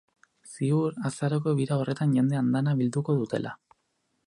Ziur azaroko bira horretan jende andana bilduko dutela.